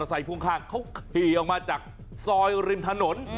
พันธุ์ไว้พ่อข้างเขาขี่ออกมาจากสอยริมถนน